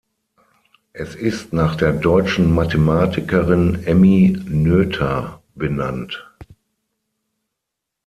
Es ist nach der deutschen Mathematikerin Emmy Noether benannt.